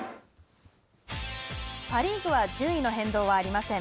パ・リーグは順位の変動はありません。